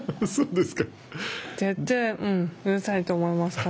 絶対うるさいと思います。